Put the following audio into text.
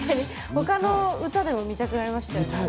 他の歌でも見たくなりましたよね。